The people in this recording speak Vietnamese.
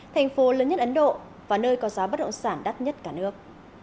thành phố lớn nhất ấn độ và nơi có giá bất động sản đắt nhất cả nước